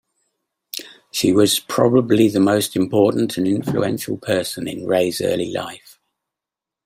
She was "probably the most important and influential person" in Ray's early life.